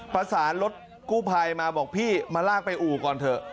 ประสานรถกู้ภัยมาบอกพี่มาลากไปอู่ก่อนเถอะ